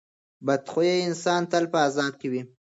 بد خویه انسان تل په عذاب کې وي.